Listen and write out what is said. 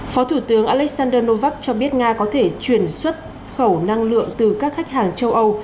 phó thủ tướng alexander novak cho biết nga có thể chuyển xuất khẩu năng lượng từ các khách hàng châu âu